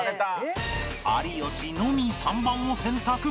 有吉のみ３番を選択